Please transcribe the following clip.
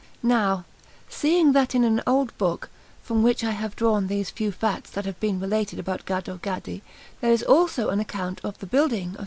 Now, seeing that in an old book, from which I have drawn these few facts that have been related about Gaddo Gaddi, there is also an account of the building of S.